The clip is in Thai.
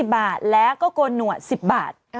๑๐บาทแล้วก็โกนหนวด๑๐บาท